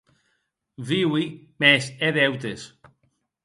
Viui, mès è deutes.